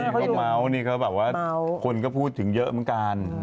ที่เขาเมาส์นี่ก็แบบว่าคนก็พูดถึงเยอะเหมือนกัน